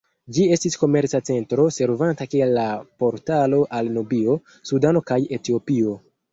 Ĝi estis komerca centro, servanta kiel la portalo al Nubio, Sudano kaj Etiopio.